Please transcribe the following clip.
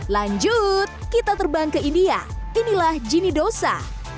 lanjut kita terbang ke india inilah ginidosa